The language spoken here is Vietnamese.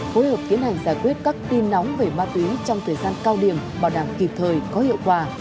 phối hợp tiến hành giải quyết các tin nóng về ma túy trong thời gian cao điểm bảo đảm kịp thời có hiệu quả